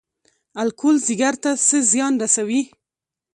الکول ځیګر ته څه زیان رسوي؟